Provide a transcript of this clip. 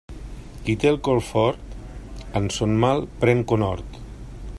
Qui té el cor fort, en son mal pren conhort.